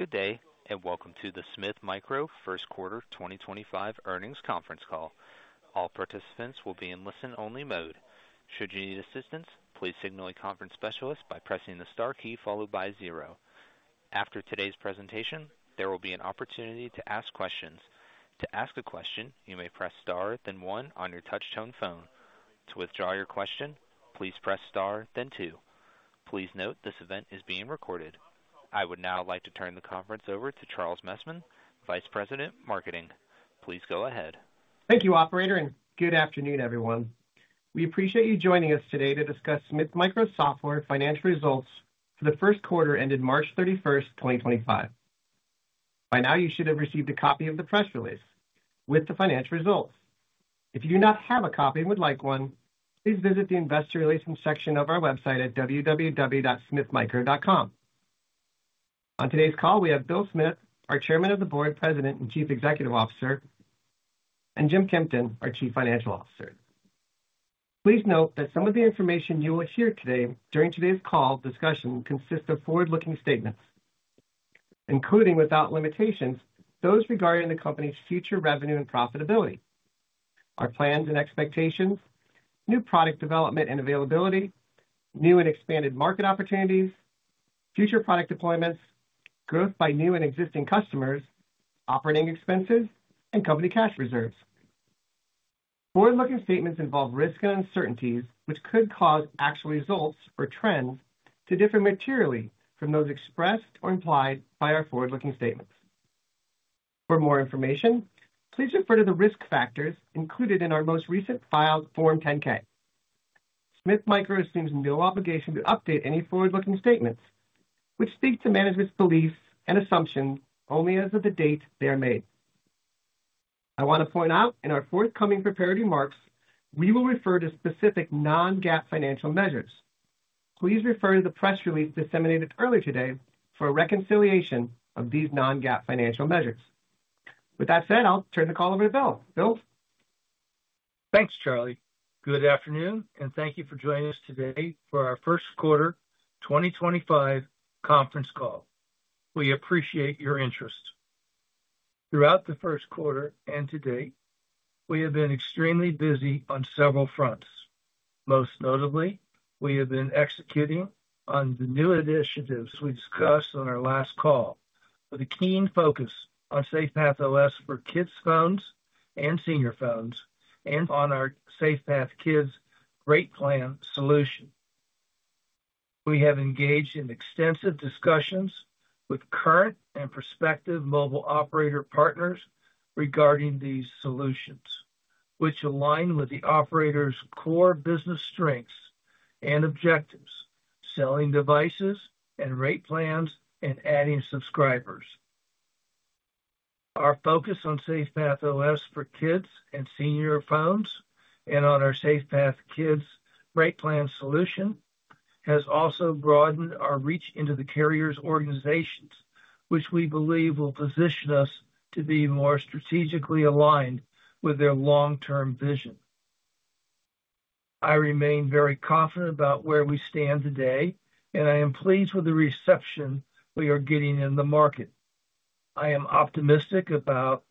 Good day, and welcome to the Smith Micro First Quarter 2025 Earnings Conference Call. All participants will be in listen-only mode. Should you need assistance, please signal a conference specialist by pressing the star key followed by zero. After today's presentation, there will be an opportunity to ask questions. To ask a question, you may press star, then one, on your touch-tone phone. To withdraw your question, please press star, then two. Please note this event is being recorded. I would now like to turn the conference over to Charles Messman, Vice President, Marketing. Please go ahead. Thank you, Operator, and good afternoon, everyone. We appreciate you joining us today to discuss Smith Micro Software financial results for the first quarter ended March 31, 2025. By now, you should have received a copy of the press release with the financial results. If you do not have a copy and would like one, please visit the investor releases section of our website at www.smithmicro.com. On today's call, we have Bill Smith, our Chairman of the Board, President, and Chief Executive Officer, and Jim Kempton, our Chief Financial Officer. Please note that some of the information you will hear today during today's call discussion consists of forward-looking statements, including without limitation, those regarding the company's future revenue and profitability, our plans and expectations, new product development and availability, new and expanded market opportunities, future product deployments, growth by new and existing customers, operating expenses, and company cash reserves. Forward-looking statements involve risk and uncertainties, which could cause actual results or trends to differ materially from those expressed or implied by our forward-looking statements. For more information, please refer to the risk factors included in our most recent filed Form 10-K. Smith Micro assumes no obligation to update any forward-looking statements, which speaks to management's beliefs and assumptions only as of the date they are made. I want to point out in our forthcoming prepared remarks, we will refer to specific non-GAAP financial measures. Please refer to the press release disseminated earlier today for a reconciliation of these non-GAAP financial measures. With that said, I'll turn the call over to Bill. Bill. Thanks, Charlie. Good afternoon, and thank you for joining us today for our First Quarter 2025 Conference Call. We appreciate your interest. Throughout the first quarter and to date, we have been extremely busy on several fronts. Most notably, we have been executing on the new initiatives we discussed on our last call with a keen focus on SafePath OS for kids' phones and senior phones and on our SafePath Kids rate plan solution. We have engaged in extensive discussions with current and prospective mobile operator partners regarding these solutions, which align with the operators' core business strengths and objectives: selling devices and rate plans and adding subscribers. Our focus on SafePath OS for kids and senior phones and on our SafePath Kids rate plan solution has also broadened our reach into the carriers' organizations, which we believe will position us to be more strategically aligned with their long-term vision. I remain very confident about where we stand today, and I am pleased with the reception we are getting in the market. I am optimistic about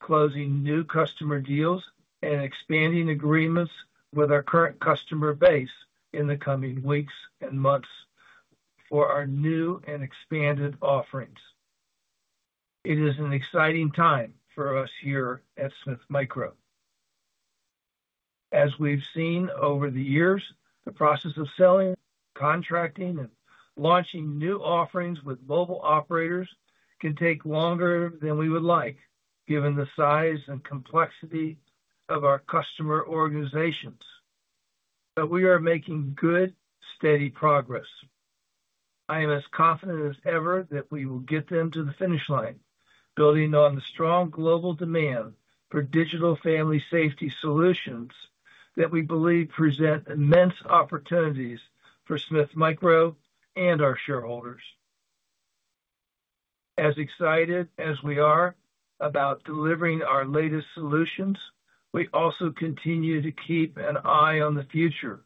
closing new customer deals and expanding agreements with our current customer base in the coming weeks and months for our new and expanded offerings. It is an exciting time for us here at Smith Micro. As we have seen over the years, the process of selling, contracting, and launching new offerings with mobile operators can take longer than we would like, given the size and complexity of our customer organizations. We are making good, steady progress. I am as confident as ever that we will get them to the finish line, building on the strong global demand for digital family safety solutions that we believe present immense opportunities for Smith Micro and our shareholders. As excited as we are about delivering our latest solutions, we also continue to keep an eye on the future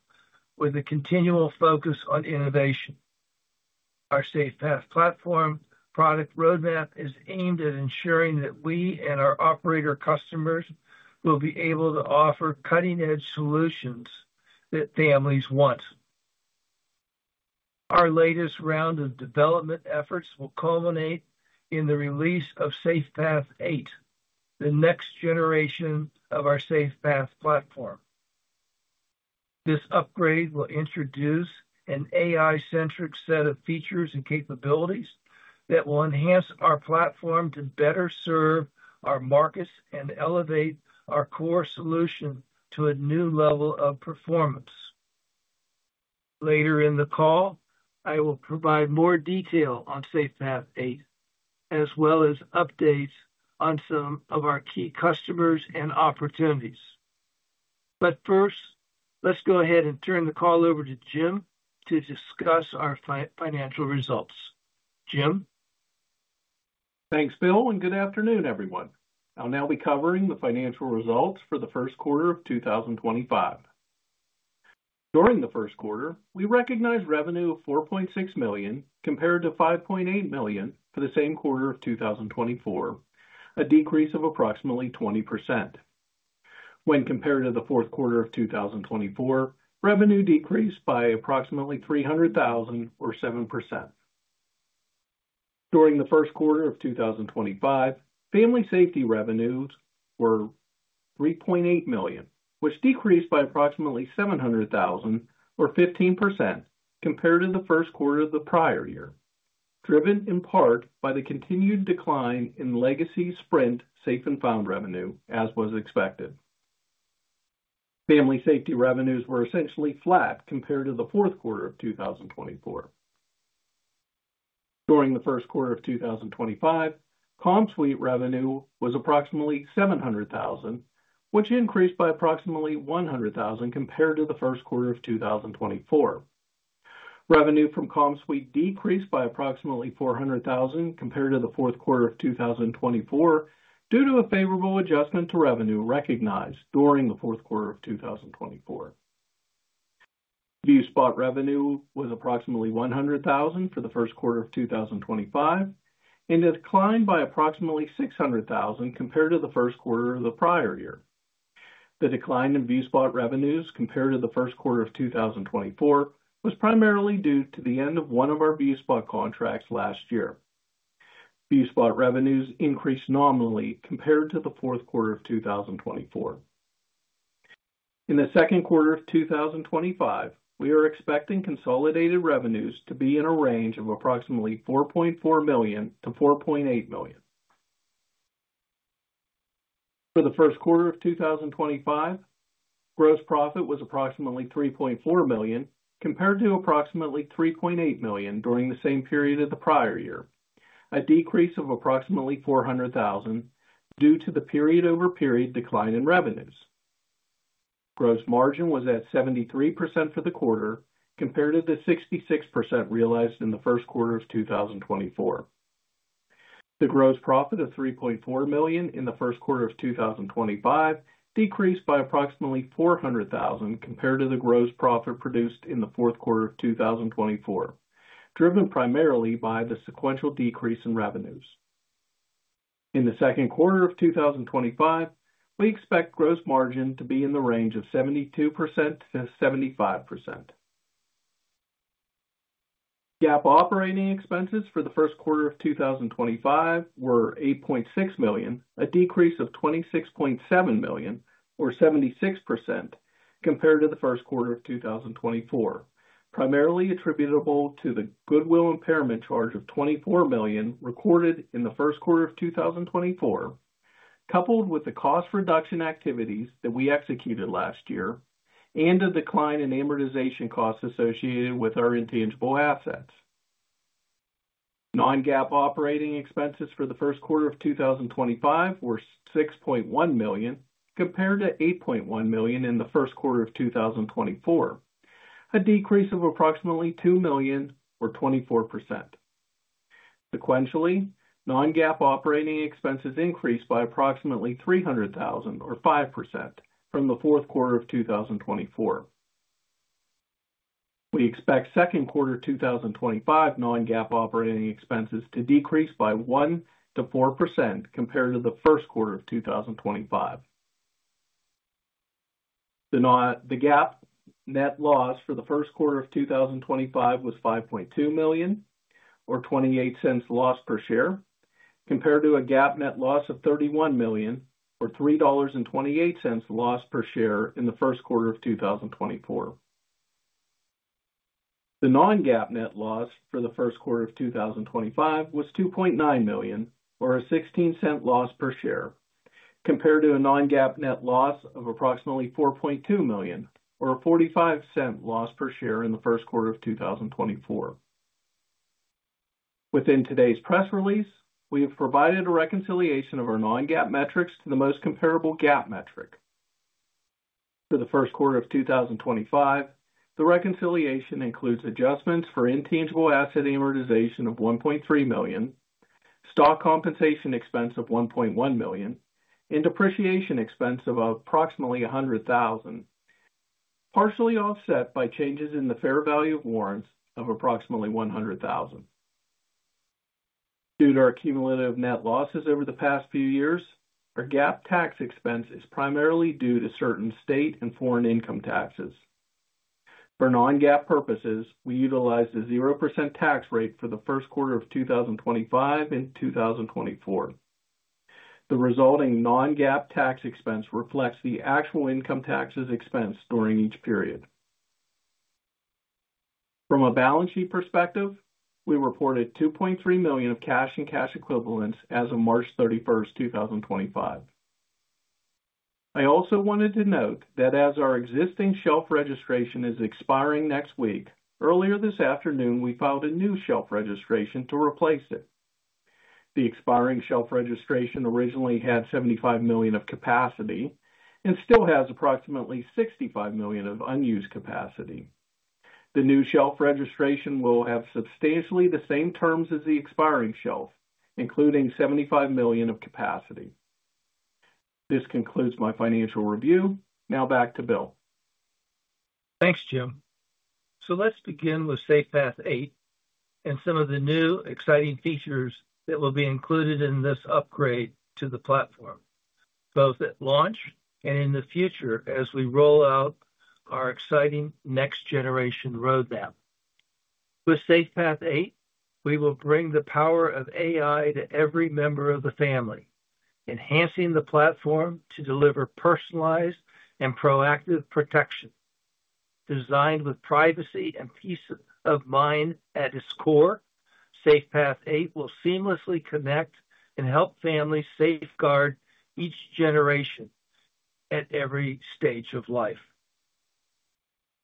with a continual focus on innovation. Our SafePath platform product roadmap is aimed at ensuring that we and our operator customers will be able to offer cutting-edge solutions that families want. Our latest round of development efforts will culminate in the release of SafePath 8, the next generation of our SafePath platform. This upgrade will introduce an AI-centric set of features and capabilities that will enhance our platform to better serve our markets and elevate our core solution to a new level of performance. Later in the call, I will provide more detail on SafePath 8, as well as updates on some of our key customers and opportunities. Let's go ahead and turn the call over to Jim to discuss our financial results. Jim. Thanks, Bill, and good afternoon, everyone. I'll now be covering the financial results for the first quarter of 2025. During the first quarter, we recognized revenue of $4.6 million compared to $5.8 million for the same quarter of 2024, a decrease of approximately 20%. When compared to the fourth quarter of 2024, revenue decreased by approximately $300,000, or 7%. During the first quarter of 2025, family safety revenues were $3.8 million, which decreased by approximately $700,000, or 15%, compared to the first quarter of the prior year, driven in part by the continued decline in legacy Sprint Safe and Found revenue, as was expected. Family safety revenues were essentially flat compared to the fourth quarter of 2024. During the first quarter of 2025, CommSuite revenue was approximately $700,000, which increased by approximately $100,000 compared to the first quarter of 2024. Revenue from CommSuite decreased by approximately $400,000 compared to the fourth quarter of 2024 due to a favorable adjustment to revenue recognized during the fourth quarter of 2024. ViewSpot revenue was approximately $100,000 for the first quarter of 2025 and declined by approximately $600,000 compared to the first quarter of the prior year. The decline in ViewSpot revenues compared to the first quarter of 2024 was primarily due to the end of one of our ViewSpot contracts last year. ViewSpot revenues increased nominally compared to the fourth quarter of 2024. In the second quarter of 2025, we are expecting consolidated revenues to be in a range of approximately $4.4 million-$4.8 million. For the first quarter of 2025, gross profit was approximately $3.4 million compared to approximately $3.8 million during the same period of the prior year, a decrease of approximately $400,000 due to the period-over-period decline in revenues. Gross margin was at 73% for the quarter compared to the 66% realized in the first quarter of 2024. The gross profit of $3.4 million in the first quarter of 2025 decreased by approximately $400,000 compared to the gross profit produced in the fourth quarter of 2024, driven primarily by the sequential decrease in revenues. In the second quarter of 2025, we expect gross margin to be in the range of 72%-75%. GAAP operating expenses for the first quarter of 2025 were $8.6 million, a decrease of $26.7 million, or 76%, compared to the first quarter of 2024, primarily attributable to the goodwill impairment charge of $24 million recorded in the first quarter of 2024, coupled with the cost reduction activities that we executed last year, and a decline in amortization costs associated with our intangible assets. Non-GAAP operating expenses for the first quarter of 2025 were $6.1 million compared to $8.1 million in the first quarter of 2024, a decrease of approximately $2 million, or 24%. Sequentially, non-GAAP operating expenses increased by approximately $300,000, or 5%, from the fourth quarter of 2024. We expect second quarter 2025 non-GAAP operating expenses to decrease by 1%-4% compared to the first quarter of 2025. The GAAP net loss for the first quarter of 2025 was $5.2 million, or $0.28 loss per share, compared to a GAAP net loss of $31 million, or $3.28 loss per share in the first quarter of 2024. The non-GAAP net loss for the first quarter of 2025 was $2.9 million, or a $0.16 loss per share, compared to a non-GAAP net loss of approximately $4.2 million, or a $0.45 loss per share in the first quarter of 2024. Within today's press release, we have provided a reconciliation of our non-GAAP metrics to the most comparable GAAP metric. For the first quarter of 2025, the reconciliation includes adjustments for intangible asset amortization of $1.3 million, stock compensation expense of $1.1 million, and depreciation expense of approximately $100,000, partially offset by changes in the fair value of warrants of approximately $100,000. Due to our cumulative net losses over the past few years, our GAAP tax expense is primarily due to certain state and foreign income taxes. For non-GAAP purposes, we utilized a 0% tax rate for the first quarter of 2025 and 2024. The resulting non-GAAP tax expense reflects the actual income taxes expense during each period. From a balance sheet perspective, we reported $2.3 million of cash and cash equivalents as of March 31, 2025. I also wanted to note that as our existing shelf registration is expiring next week, earlier this afternoon, we filed a new shelf registration to replace it. The expiring shelf registration originally had $75 million of capacity and still has approximately $65 million of unused capacity. The new shelf registration will have substantially the same terms as the expiring shelf, including $75 million of capacity. This concludes my financial review. Now back to Bill. Thanks, Jim. Let's begin with SafePath 8 and some of the new exciting features that will be included in this upgrade to the platform, both at launch and in the future as we roll out our exciting next-generation roadmap. With SafePath 8, we will bring the power of AI to every member of the family, enhancing the platform to deliver personalized and proactive protection. Designed with privacy and peace of mind at its core, SafePath 8 will seamlessly connect and help families safeguard each generation at every stage of life.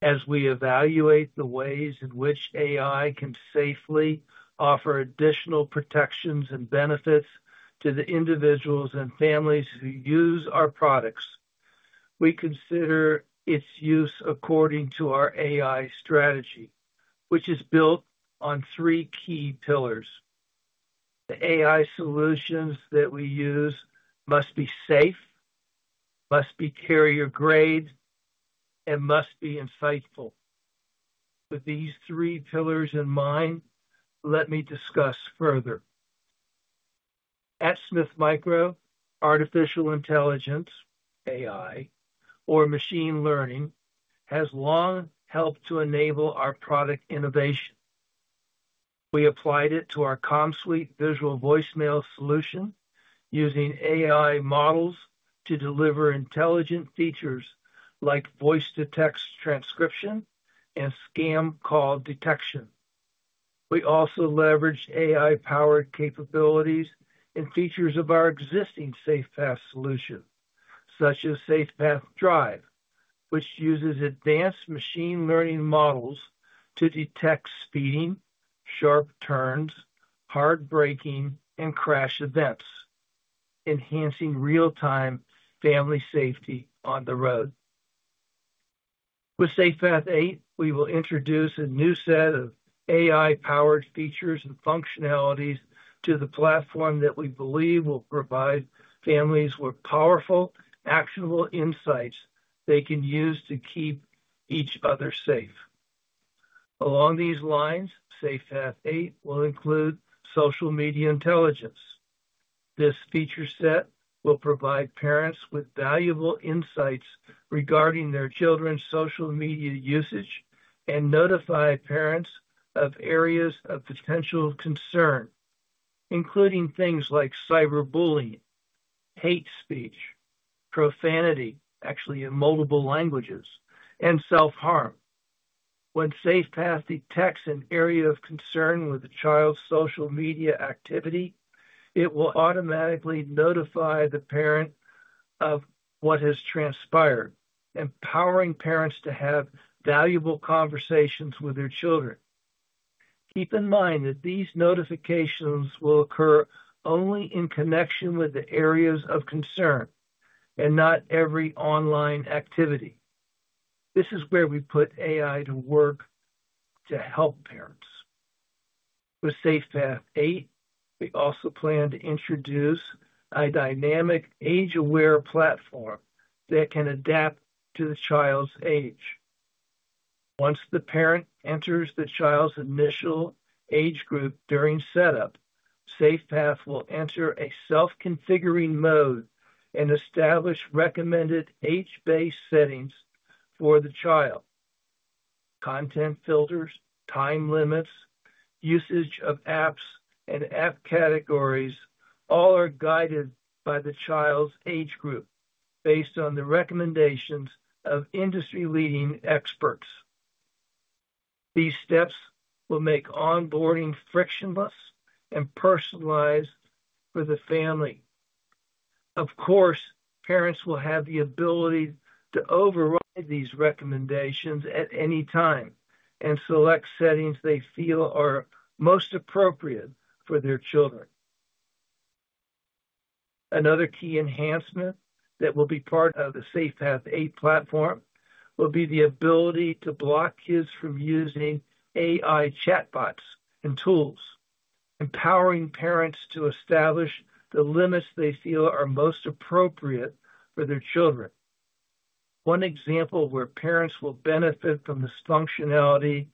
As we evaluate the ways in which AI can safely offer additional protections and benefits to the individuals and families who use our products, we consider its use according to our AI strategy, which is built on three key pillars. The AI solutions that we use must be safe, must be carrier-grade, and must be insightful. With these three pillars in mind, let me discuss further. At Smith Micro, artificial intelligence, AI, or machine learning, has long helped to enable our product innovation. We applied it to our CommSuite Visual Voicemail solution using AI models to deliver intelligent features like voice-to-text transcription and scam call detection. We also leverage AI-powered capabilities and features of our existing SafePath solution, such as SafePath Drive, which uses advanced machine learning models to detect speeding, sharp turns, hard braking, and crash events, enhancing real-time family safety on the road. With SafePath 8, we will introduce a new set of AI-powered features and functionalities to the platform that we believe will provide families with powerful, actionable insights they can use to keep each other safe. Along these lines, SafePath 8 will include social media intelligence. This feature set will provide parents with valuable insights regarding their children's social media usage and notify parents of areas of potential concern, including things like cyberbullying, hate speech, profanity—actually, immutable languages—and self-harm. When SafePath detects an area of concern with a child's social media activity, it will automatically notify the parent of what has transpired, empowering parents to have valuable conversations with their children. Keep in mind that these notifications will occur only in connection with the areas of concern and not every online activity. This is where we put AI to work to help parents. With SafePath 8, we also plan to introduce a dynamic age-aware platform that can adapt to the child's age. Once the parent enters the child's initial age group during setup, SafePath will enter a self-configuring mode and establish recommended age-based settings for the child. Content filters, time limits, usage of apps, and app categories all are guided by the child's age group based on the recommendations of industry-leading experts. These steps will make onboarding frictionless and personalized for the family. Of course, parents will have the ability to override these recommendations at any time and select settings they feel are most appropriate for their children. Another key enhancement that will be part of the SafePath 8 platform will be the ability to block kids from using AI chatbots and tools, empowering parents to establish the limits they feel are most appropriate for their children. One example where parents will benefit from this functionality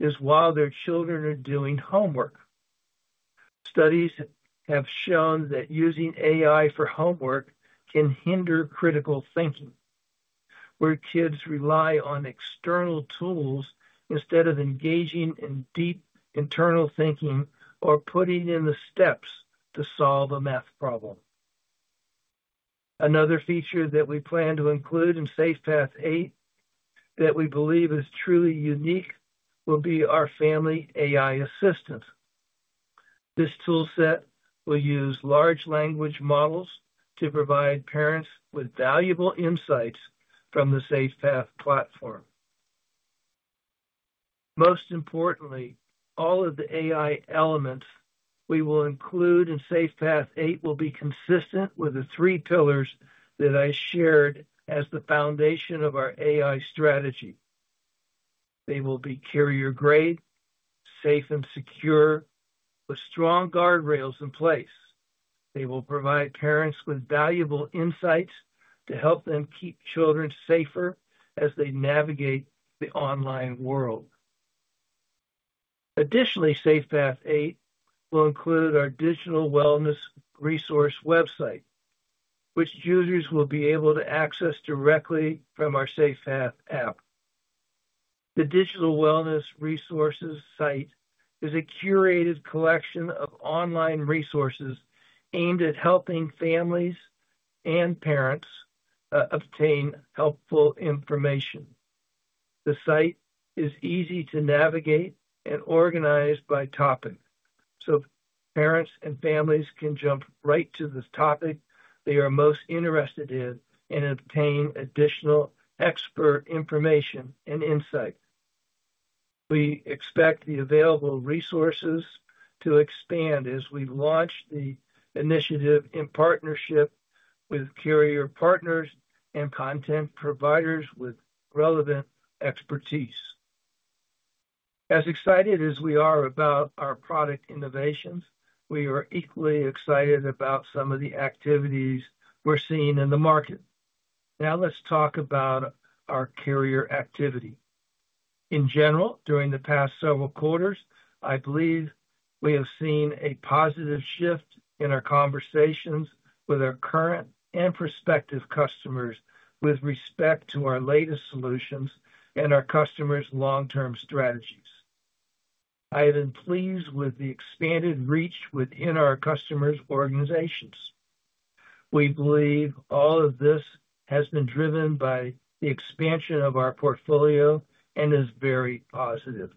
is while their children are doing homework. Studies have shown that using AI for homework can hinder critical thinking, where kids rely on external tools instead of engaging in deep internal thinking or putting in the steps to solve a math problem. Another feature that we plan to include in SafePath 8 that we believe is truly unique will be our family AI assistant. This toolset will use large language models to provide parents with valuable insights from the SafePath platform. Most importantly, all of the AI elements we will include in SafePath 8 will be consistent with the three pillars that I shared as the foundation of our AI strategy. They will be carrier-grade, safe, and secure, with strong guardrails in place. They will provide parents with valuable insights to help them keep children safer as they navigate the online world. Additionally, SafePath 8 will include our digital wellness resource website, which users will be able to access directly from our SafePath app. The digital wellness resources site is a curated collection of online resources aimed at helping families and parents obtain helpful information. The site is easy to navigate and organized by topic, so parents and families can jump right to the topic they are most interested in and obtain additional expert information and insight. We expect the available resources to expand as we launch the initiative in partnership with carrier partners and content providers with relevant expertise. As excited as we are about our product innovations, we are equally excited about some of the activities we're seeing in the market. Now let's talk about our carrier activity. In general, during the past several quarters, I believe we have seen a positive shift in our conversations with our current and prospective customers with respect to our latest solutions and our customers' long-term strategies. I have been pleased with the expanded reach within our customers' organizations. We believe all of this has been driven by the expansion of our portfolio and is very positive.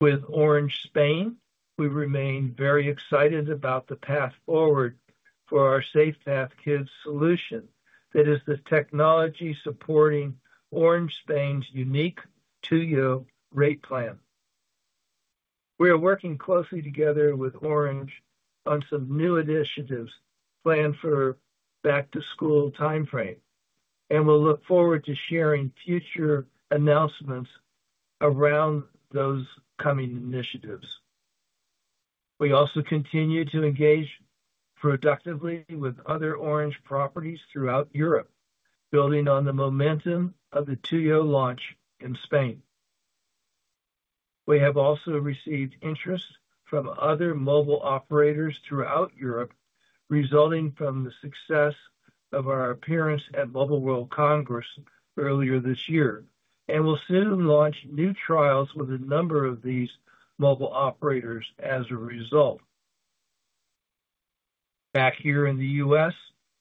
With Orange Spain, we remain very excited about the path forward for our SafePath Kids solution that is the technology supporting Orange Spain's unique 2U rate plan. We are working closely together with Orange on some new initiatives planned for back-to-school timeframe, and we will look forward to sharing future announcements around those coming initiatives. We also continue to engage productively with other Orange properties throughout Europe, building on the momentum of the 2U launch in Spain. We have also received interest from other mobile operators throughout Europe, resulting from the success of our appearance at Mobile World Congress earlier this year, and we'll soon launch new trials with a number of these mobile operators as a result. Back here in the U.S.,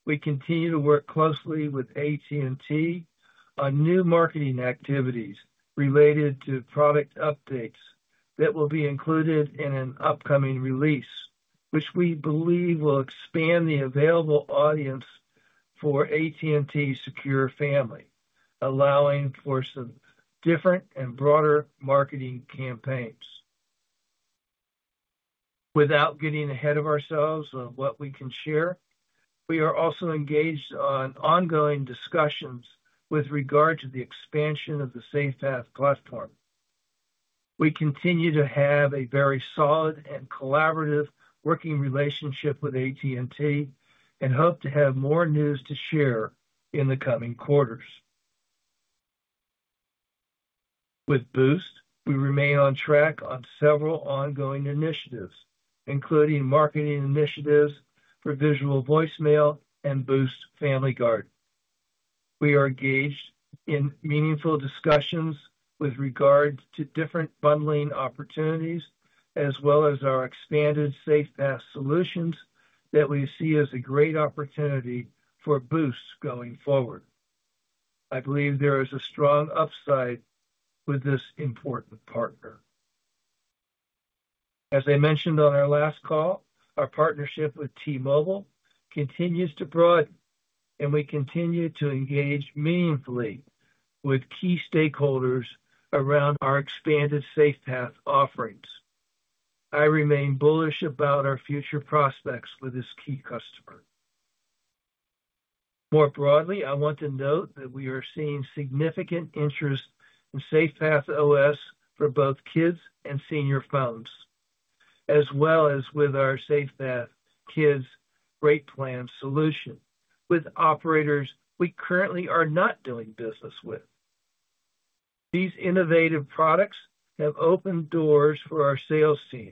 we continue to work closely with AT&T on new marketing activities related to product updates that will be included in an upcoming release, which we believe will expand the available audience for AT&T's Secure Family, allowing for some different and broader marketing campaigns. Without getting ahead of ourselves on what we can share, we are also engaged in ongoing discussions with regard to the expansion of the SafePath platform. We continue to have a very solid and collaborative working relationship with AT&T and hope to have more news to share in the coming quarters. With Boost, we remain on track on several ongoing initiatives, including marketing initiatives for Visual Voicemail and Boost Family Guard. We are engaged in meaningful discussions with regard to different bundling opportunities, as well as our expanded SafePath solutions that we see as a great opportunity for Boost going forward. I believe there is a strong upside with this important partner. As I mentioned on our last call, our partnership with T-Mobile continues to broaden, and we continue to engage meaningfully with key stakeholders around our expanded SafePath offerings. I remain bullish about our future prospects for this key customer. More broadly, I want to note that we are seeing significant interest in SafePath OS for both kids and senior phones, as well as with our SafePath Kids rate plan solution with operators we currently are not doing business with. These innovative products have opened doors for our sales team,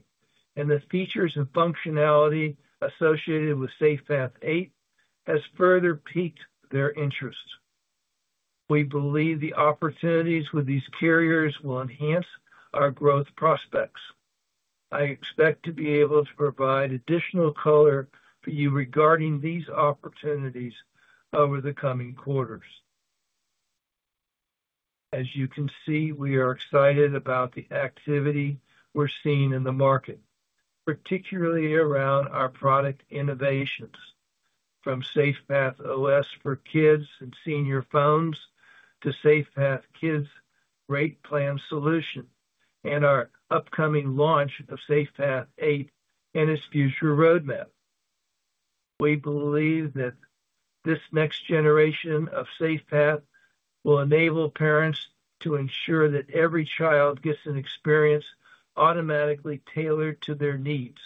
and the features and functionality associated with SafePath 8 has further piqued their interest. We believe the opportunities with these carriers will enhance our growth prospects. I expect to be able to provide additional color for you regarding these opportunities over the coming quarters. As you can see, we are excited about the activity we're seeing in the market, particularly around our product innovations, from SafePath OS for kids and senior phones to SafePath Kids rate plan solution and our upcoming launch of SafePath 8 and its future roadmap. We believe that this next generation of SafePath will enable parents to ensure that every child gets an experience automatically tailored to their needs,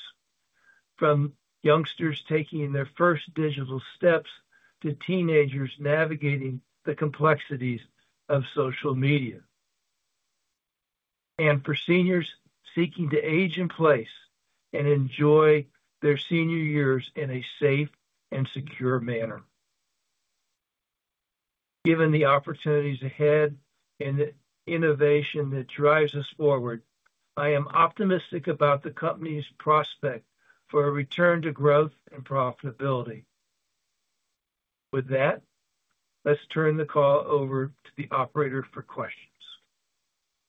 from youngsters taking their first digital steps to teenagers navigating the complexities of social media, and for seniors seeking to age in place and enjoy their senior years in a safe and secure manner. Given the opportunities ahead and the innovation that drives us forward, I am optimistic about the company's prospect for a return to growth and profitability. With that, let's turn the call over to the operator for questions.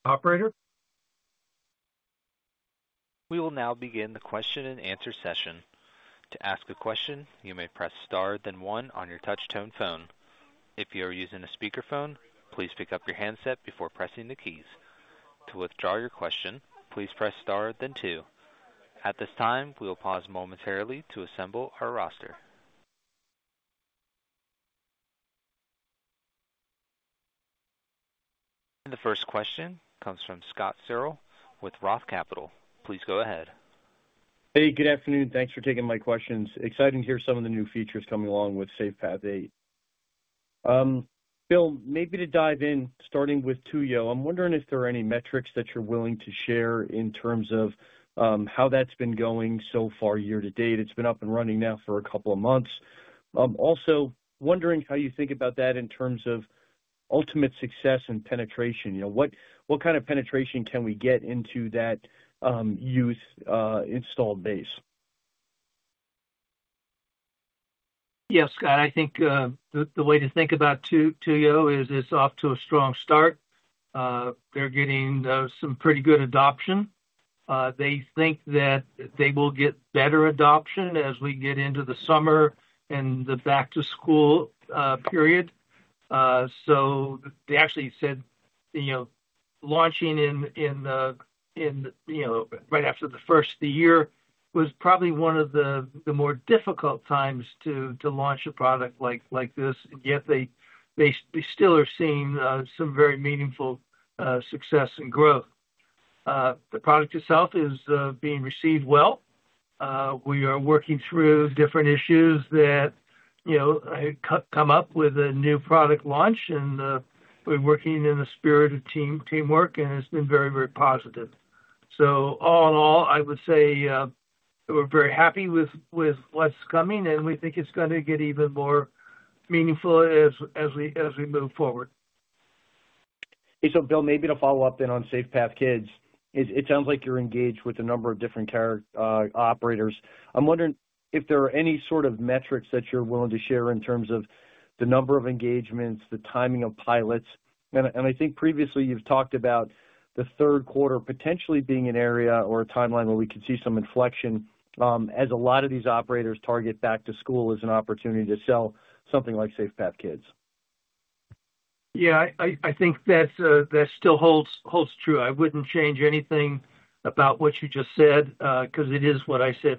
Operator. We will now begin the question-and-answer session. To ask a question, you may press star, then one on your touch-tone phone. If you are using a speakerphone, please pick up your handset before pressing the keys. To withdraw your question, please press star, then two. At this time, we will pause momentarily to assemble our roster. The first question comes from Scott Searle with Roth Capital. Please go ahead. Hey, good afternoon. Thanks for taking my questions. Excited to hear some of the new features coming along with SafePath 8. Bill, maybe to dive in, starting with 2U, I'm wondering if there are any metrics that you're willing to share in terms of how that's been going so far year to date. It's been up and running now for a couple of months. Also, wondering how you think about that in terms of ultimate success and penetration. What kind of penetration can we get into that youth installed base? Yes, Scott, I think the way to think about 2U is it's off to a strong start. They're getting some pretty good adoption. They think that they will get better adoption as we get into the summer and the back-to-school period. They actually said launching in right after the first of the year was probably one of the more difficult times to launch a product like this, and yet they still are seeing some very meaningful success and growth. The product itself is being received well. We are working through different issues that come up with a new product launch, and we're working in the spirit of teamwork, and it's been very, very positive. All in all, I would say we're very happy with what's coming, and we think it's going to get even more meaningful as we move forward. Bill, maybe to follow up then on SafePath Kids, it sounds like you're engaged with a number of different operators. I'm wondering if there are any sort of metrics that you're willing to share in terms of the number of engagements, the timing of pilots. I think previously you've talked about the third quarter potentially being an area or a timeline where we could see some inflection as a lot of these operators target back-to-school as an opportunity to sell something like SafePath Kids. Yeah, I think that still holds true. I wouldn't change anything about what you just said because it is what I said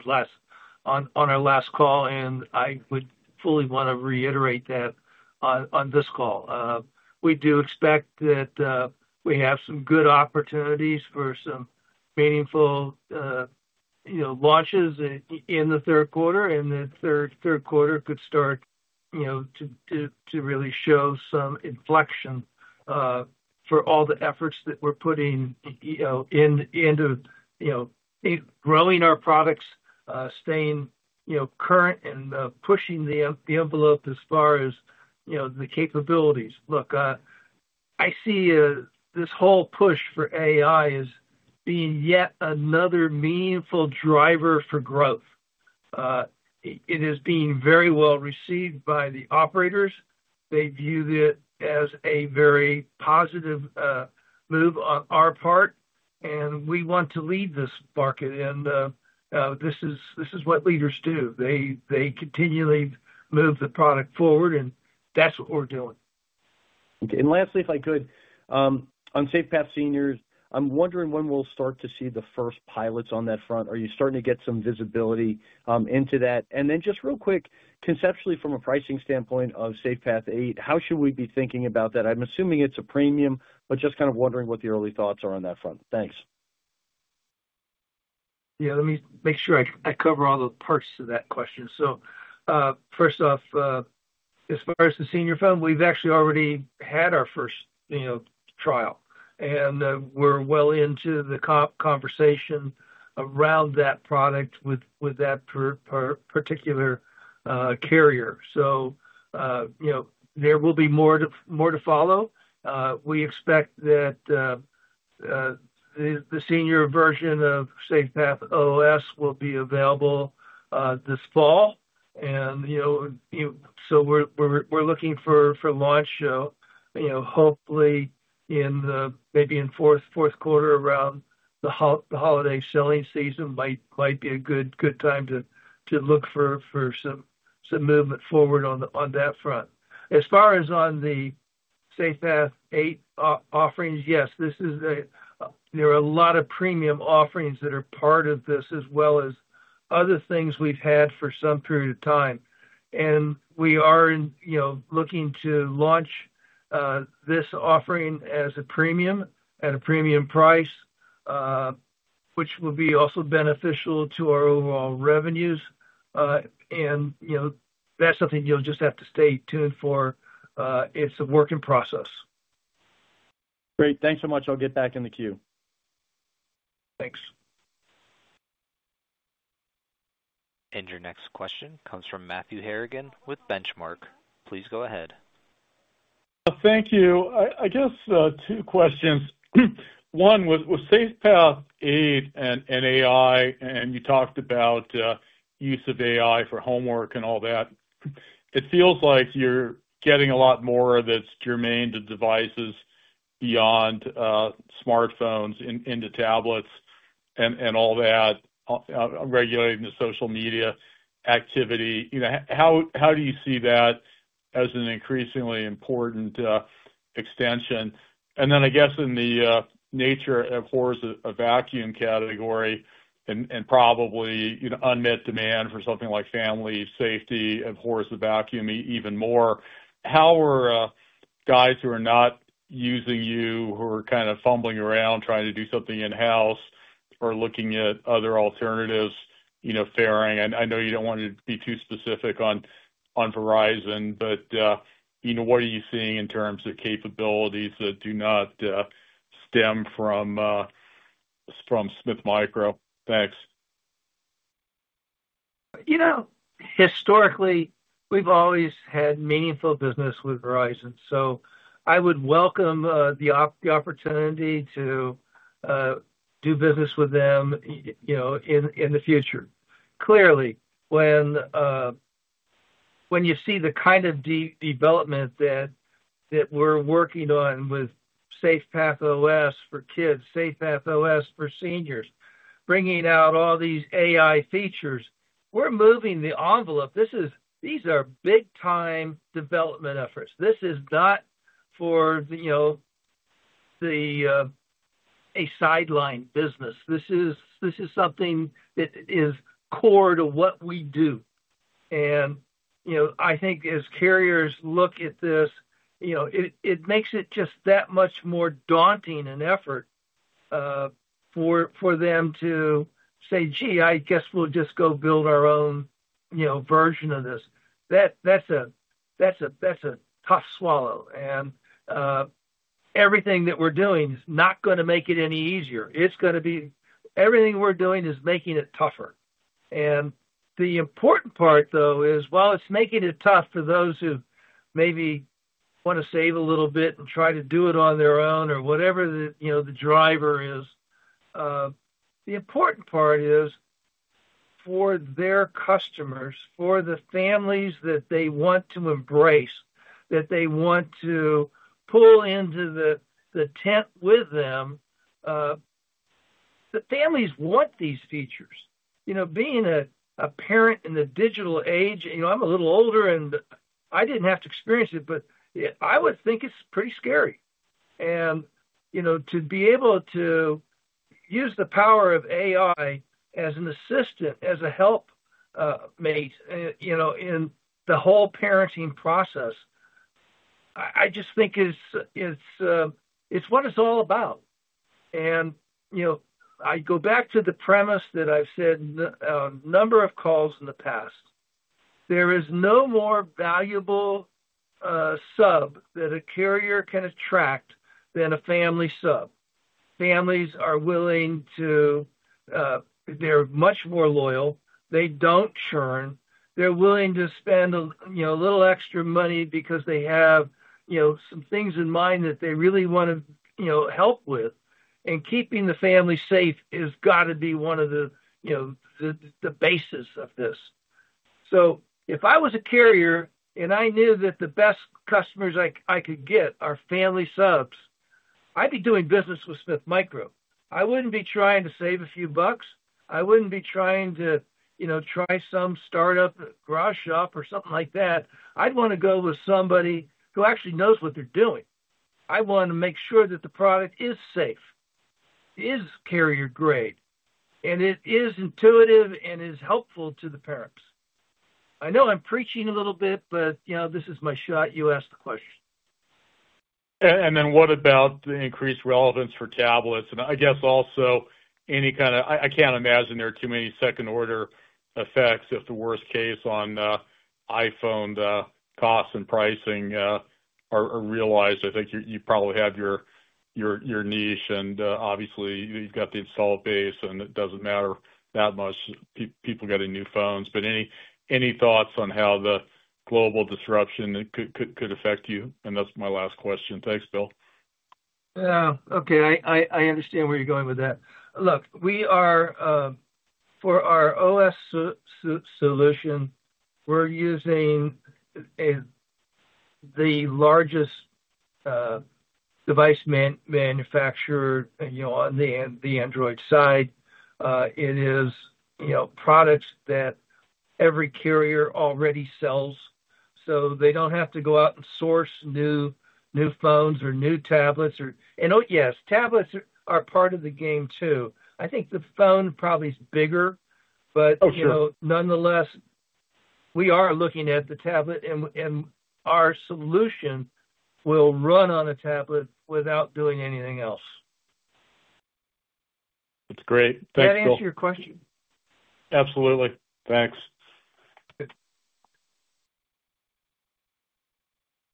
on our last call, and I would fully want to reiterate that on this call. We do expect that we have some good opportunities for some meaningful launches in the third quarter, and the third quarter could start to really show some inflection for all the efforts that we're putting into growing our products, staying current, and pushing the envelope as far as the capabilities. Look, I see this whole push for AI as being yet another meaningful driver for growth. It is being very well received by the operators. They view it as a very positive move on our part, and we want to lead this market, and this is what leaders do. They continually move the product forward, and that's what we're doing. Lastly, if I could, on SafePath seniors, I'm wondering when we'll start to see the first pilots on that front. Are you starting to get some visibility into that? And then just real quick, conceptually, from a pricing standpoint of SafePath 8, how should we be thinking about that? I'm assuming it's a premium, but just kind of wondering what the early thoughts are on that front. Thanks. Yeah, let me make sure I cover all the parts of that question. First off, as far as the senior phone, we've actually already had our first trial, and we're well into the conversation around that product with that particular carrier. There will be more to follow. We expect that the senior version of SafePath OS will be available this fall, and we're looking for launch, hopefully maybe in fourth quarter around the holiday selling season. That might be a good time to look for some movement forward on that front. As far as on the SafePath 8 offerings, yes, there are a lot of premium offerings that are part of this as well as other things we've had for some period of time. We are looking to launch this offering as a premium at a premium price, which will be also beneficial to our overall revenues. That is something you'll just have to stay tuned for. It's a work in process. Great. Thanks so much. I'll get back in the queue. Thanks. Your next question comes from Matthew Harrigan with Benchmark. Please go ahead. Thank you. I guess two questions. One was with SafePath 8 and AI, and you talked about use of AI for homework and all that. It feels like you're getting a lot more that's germane to devices beyond smartphones into tablets and all that, regulating the social media activity. How do you see that as an increasingly important extension? I guess in the nature of horse of vacuum category and probably unmet demand for something like family safety of horse of vacuum even more, how are guys who are not using you, who are kind of fumbling around trying to do something in-house or looking at other alternatives faring? I know you do not want to be too specific on Verizon, but what are you seeing in terms of capabilities that do not stem from Smith Micro? Thanks. Historically, we have always had meaningful business with Verizon, so I would welcome the opportunity to do business with them in the future. Clearly, when you see the kind of development that we are working on with SafePath OS for kids, SafePath OS for seniors, bringing out all these AI features, we are moving the envelope. These are big-time development efforts. This is not for a sideline business. This is something that is core to what we do. I think as carriers look at this, it makes it just that much more daunting an effort for them to say, "Gee, I guess we'll just go build our own version of this." That's a tough swallow. Everything that we're doing is not going to make it any easier. Everything we're doing is making it tougher. The important part, though, is while it's making it tough for those who maybe want to save a little bit and try to do it on their own or whatever the driver is, the important part is for their customers, for the families that they want to embrace, that they want to pull into the tent with them. The families want these features. Being a parent in the digital age, I'm a little older, and I didn't have to experience it, but I would think it's pretty scary. To be able to use the power of AI as an assistant, as a helpmate in the whole parenting process, I just think it's what it's all about. I go back to the premise that I've said a number of calls in the past. There is no more valuable sub that a carrier can attract than a family sub. Families are willing to—they're much more loyal. They don't churn. They're willing to spend a little extra money because they have some things in mind that they really want to help with. Keeping the family safe has got to be one of the bases of this. If I was a carrier and I knew that the best customers I could get are family subs, I'd be doing business with Smith Micro. I wouldn't be trying to save a few bucks. I wouldn't be trying to try some startup garage shop or something like that. I'd want to go with somebody who actually knows what they're doing. I want to make sure that the product is safe, is carrier-grade, and it is intuitive and is helpful to the parents. I know I'm preaching a little bit, but this is my shot. You asked the question. What about the increased relevance for tablets? I guess also any kind of—I can't imagine there are too many second-order effects if the worst case on iPhone costs and pricing are realized. I think you probably have your niche, and obviously, you've got the installed base, and it doesn't matter that much people getting new phones. Any thoughts on how the global disruption could affect you? That's my last question. Thanks, Bill. Yeah. Okay. I understand where you're going with that. Look, for our OS solution, we're using the largest device manufacturer on the Android side. It is products that every carrier already sells, so they do not have to go out and source new phones or new tablets. Yes, tablets are part of the game too. I think the phone probably is bigger, but nonetheless, we are looking at the tablet, and our solution will run on a tablet without doing anything else. That's great. Thanks, Bill. That answered your question? Absolutely. Thanks.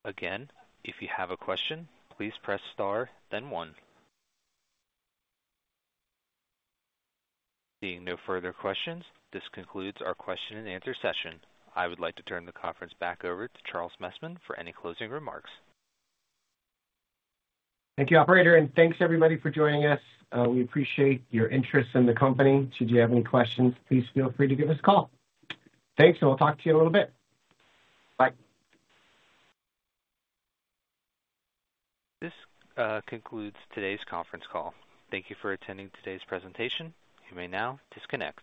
Again, if you have a question, please press star, then one. Seeing no further questions, this concludes our question-and-answer session. I would like to turn the conference back over to Charles Messman for any closing remarks. Thank you, Operator, and thanks everybody for joining us. We appreciate your interest in the company. Should you have any questions, please feel free to give us a call. Thanks, and we'll talk to you in a little bit. Bye. This concludes today's conference call. Thank you for attending today's presentation. You may now disconnect.